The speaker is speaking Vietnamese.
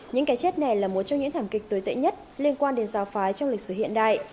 những cái chết này là một trong những thảm kịch tồi tệ nhất liên quan đến giáo phái trong lịch sử hiện đại